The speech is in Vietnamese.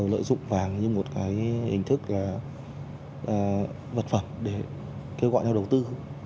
lợi dụng vàng như một hình thức là vật phẩm để kêu gọi nhau đầu tư